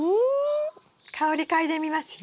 香り嗅いでみますよ。